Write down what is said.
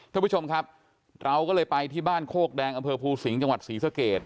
ท่านผู้ชมครับเราก็เลยไปที่บ้านโคกแดงอำเภอภูสิงห์จังหวัดศรีสเกต